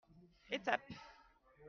Étape.